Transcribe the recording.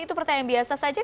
itu pertanyaan biasa saja